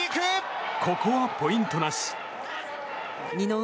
ここはポイントなし。